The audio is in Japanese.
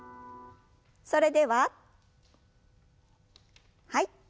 それでははい。